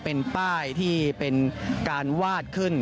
เป็นป้ายที่เป็นการวาดขึ้น